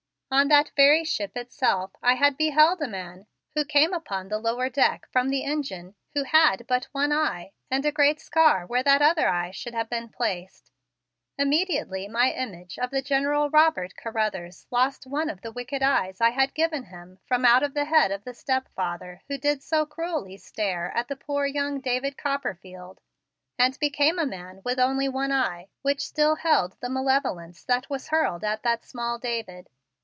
On that very ship itself I had beheld a man, who came upon the lower deck from the engine, who had but one eye and a great scar where that other eye should have been placed. Immediately my image of the General Robert Carruthers lost one of the wicked eyes I had given him from out the head of the stepfather who did so cruelly stare at the poor young David Copperfield, and became a man with only one eye which still held the malevolence that was hurled at that small David.